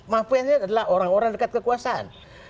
mafianya adalah orang orang dekat kekuasaan